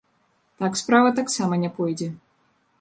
Так справа таксама не пойдзе.